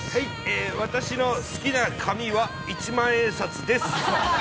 私の好きな紙は一万円札です。